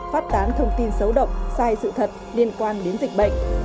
phát tán thông tin xấu độc sai sự thật liên quan đến dịch bệnh